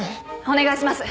お願いします。